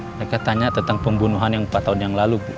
mereka tanya tentang pembunuhan yang empat tahun yang lalu